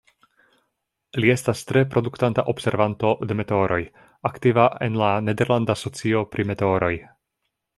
Li estas tre produktanta observanto de meteoroj, aktiva en la Nederlanda Socio pri Meteoroj.